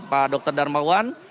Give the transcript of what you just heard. pak dr dharma